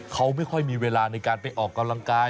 เขาไม่ค่อยมีเวลาในการไปออกกำลังกาย